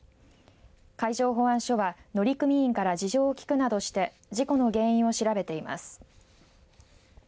海上保安署は乗組員から事情を聞くなどして事故の原因を調べています。